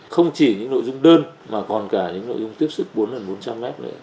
không chỉ những nội dung đơn mà còn cả những nội dung tiếp sức bốn bốn trăm linh m nữa